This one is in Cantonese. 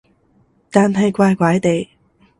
但係怪怪地